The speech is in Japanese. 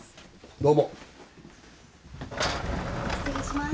どうも失礼します